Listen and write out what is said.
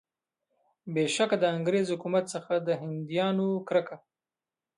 بېشکه د انګریز حکومت څخه د هندیانو کرکه.